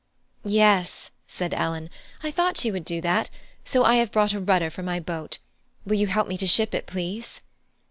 "Yes," said Ellen, "I thought you would do that, so I have brought a rudder for my boat: will you help me to ship it, please?"